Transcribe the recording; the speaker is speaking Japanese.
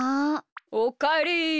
おかえり。